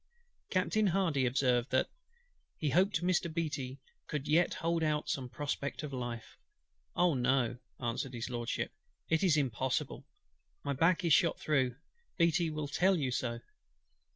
Captain HARDY observed, that "he hoped Mr. BEATTY could yet hold out some prospect of life." "Oh! no," answered HIS LORDSHIP; "it is impossible. My back is shot through. BEATTY will tell you so."